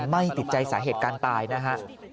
ไม่ติดใจสาเหตุการณ์ตายนะฮะ